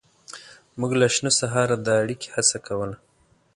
موږ له شنه سهاره د اړیکې هڅه کوله.